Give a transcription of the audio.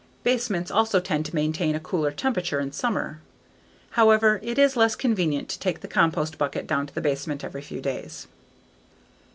Basements also tend to maintain a cooler temperature in summer. However, it is less convenient to take the compost bucket down to the basement every few days.